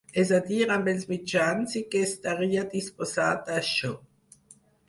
És a dir, amb els mitjans, i que estaria disposat a això.